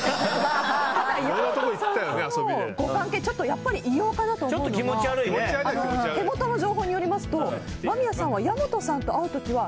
やっぱり異様かなと思うのは手元の情報によりますと間宮さんは矢本さんと会うときは。